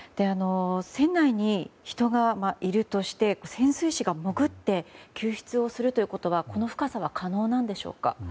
船内に人がいるとして潜水士が潜って救出をするということはこの深さは可能なんでしょうか。